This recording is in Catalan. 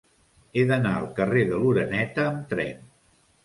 He d'anar al carrer de l'Oreneta amb tren.